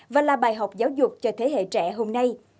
và là bài học giáo dục cho thế hệ trẻ hôm nay